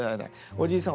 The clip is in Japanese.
おじいさん